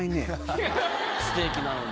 ステーキなのに。